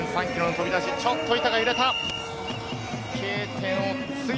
８４．３キロの飛び出し、ちょっと板が揺れた。